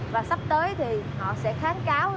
và sắp tới thì họ sẽ kháng cáo